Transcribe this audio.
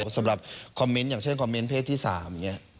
สำหรับคอมเม้นท์อย่างเช่นคอมเม้นท์เพจที่๓